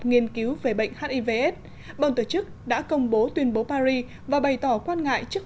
nghiên cứu về bệnh hiv aids bộ tổ chức đã công bố tuyên bố paris và bày tỏ quan ngại trước